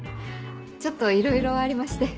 ちょっといろいろありまして。